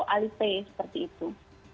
alifay seperti itu